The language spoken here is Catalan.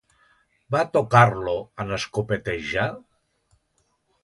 Va tocar-lo, en escopetejar?